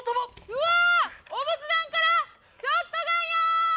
うわっお仏壇からショットガンや！